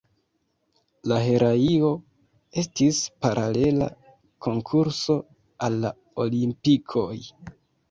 La heraio estis paralela konkurso al la Olimpikoj.